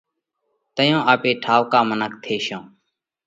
تئيون آپي ٺائُوڪا منک ٿيشون۔